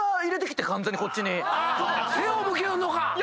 背を向けよるのか。